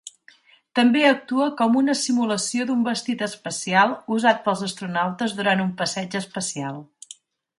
També actua com una simulació d'un vestit espacial usat pels astronautes durant un passeig espacial.